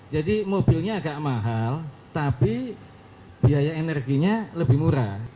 jadi mobilnya agak mahal tapi biaya energinya lebih murah